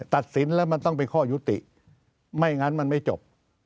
ตัดสินแล้วมันต้องเป็นข้อยุติไม่งั้นมันไม่จบ